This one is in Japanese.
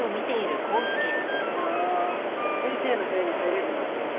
いやあ先生の部屋に入れるなんて感無量です！